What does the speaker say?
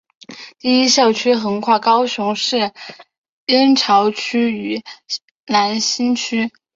第一校区横跨高雄市燕巢区与楠梓区。